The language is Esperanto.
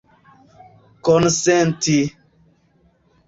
konsenti